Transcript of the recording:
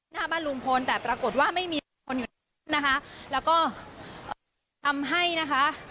หน้าบ้านลุงพลแต่ปรากฏว่าไม่มีคนอยู่นะคะแล้วก็ทำให้นะคะ